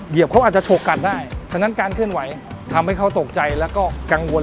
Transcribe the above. เขาอาจจะฉกกันได้ฉะนั้นการเคลื่อนไหวทำให้เขาตกใจแล้วก็กังวล